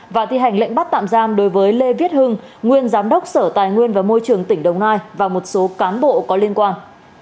và thi hành lệnh bắt tạm giam đối với lê viết hưng nguyên giám đốc sở tài nguyên và môi trường tỉnh đồng nai và một số cán bộ có liên quan